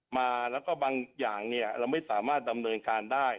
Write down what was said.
มาแล้วก็บางอย่างเนี่ยเราไม่สามารถดำเนินการได้